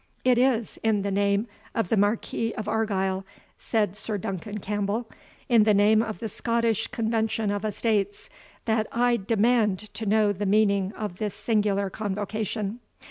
"It is in the name of the Marquis of Argyle," said Sir Duncan Campbell, "in the name of the Scottish Convention of Estates, that I demand to know the meaning of this singular convocation.